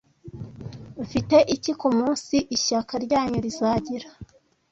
mfite iki kumunsi ishyaka ryanyu rizagira